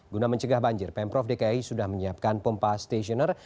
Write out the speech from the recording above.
guna mencegah banjir pemprov dki sudah menyiapkan pompa stationer